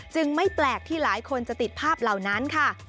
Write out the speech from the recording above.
ไม่แปลกที่หลายคนจะติดภาพเหล่านั้นค่ะ